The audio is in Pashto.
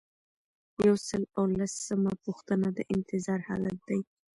یو سل او لسمه پوښتنه د انتظار حالت دی.